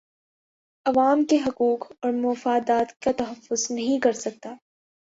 عوام کے حقوق اور مفادات کا تحفظ نہیں کر سکتا